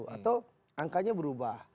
atau angkanya berubah